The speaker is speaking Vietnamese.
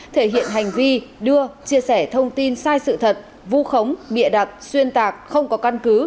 thể hiện hành vi đưa chia sẻ thông tin sai sự thật vu khống bịa đặt xuyên tạc không có căn cứ